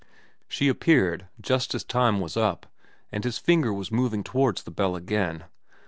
She appeared just as time was up and his finger was moving towards the bell again.